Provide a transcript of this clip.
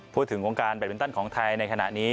พูดถึงวงการแบตมินตันของไทยในขณะนี้